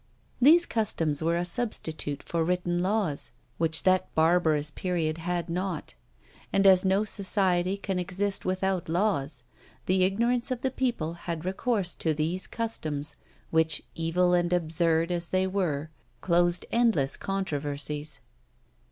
These customs were a substitute for written laws, which that barbarous period had not; and as no society can exist without laws, the ignorance of the people had recourse to these customs, which, evil and absurd as they were, closed endless controversies.